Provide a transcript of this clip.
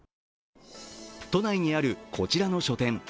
都内にあるこちらの書店。